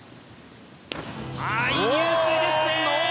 いい入水ですね！